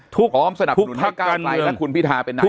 พร้อมสนับหนุนให้ก้าวไปแล้วคุณพิธาเป็นนาโยก